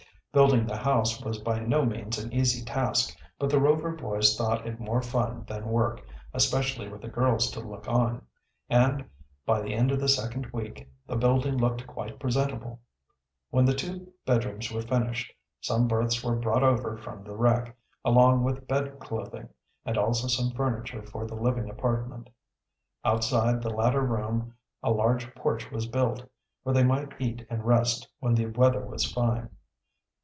Building the house was by no means an easy task, but the Rover boys thought it more fun than work, especially with the girls to look on, and by the end of the second week the building looked quite presentable. When the two bedrooms were finished, some berths were brought over from the wreck, along with bed clothing, and also some furniture for the living apartment. Outside the latter room a large porch was built, where they might eat and rest when the weather was fine.